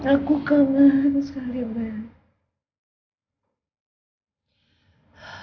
aku kangen sekali mbak